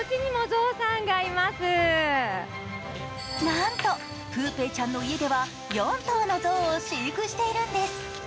なんと、プーペーちゃんの家では４頭の象を飼育しているんです。